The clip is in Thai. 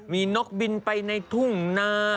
มีนกบินไปในทุ่งนา